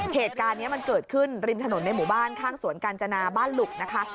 เหตุการณ์นี้มันเกิดขึ้นริมถนนในหมู่บ้านข้างสวนกาญจนาบ้านหลุกนะคะ